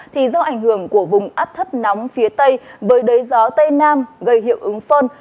thì do ảnh hưởng của vùng áp thấp nóng phía tây với đới gió tây nam gây hiệu ứng phơn